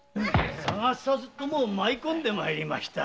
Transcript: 捜さずとも舞い込んで参りました。